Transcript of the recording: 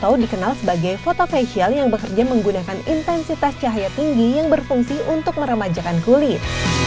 atau dikenal sebagai foto facial yang bekerja menggunakan intensitas cahaya tinggi yang berfungsi untuk meremajakan kulit